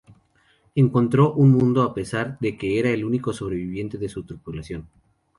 Encontró un mundo, a pesar de que era el único sobreviviente de su tripulación.